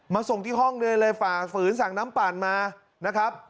ส่งที่ห้องเลยเลยฝ่าฝืนสั่งน้ำปั่นมานะครับ